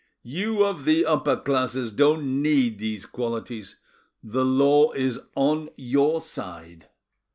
You of the upper classes don't need these qualities, the law is on, your side.